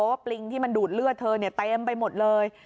ปริงที่มันดูดเลือดเธอเนี่ยเต็มไปหมดเลย